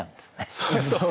そうそう。